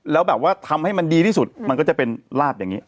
แล้วแบบว่าทำให้มันดีที่สุดมันก็จะเป็นลาบอย่างนี้